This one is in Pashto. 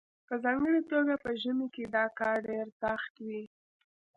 په ځانګړې توګه په ژمي کې دا کار ډیر سخت وي